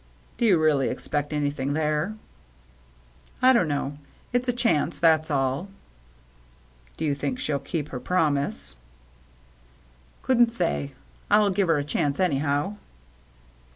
" Do you really expect anything there ?"" I don't know. It's a chance, that's all." " Do you think she'll keep her promise ?"" Couldn't say. I'll give her a chance, any how."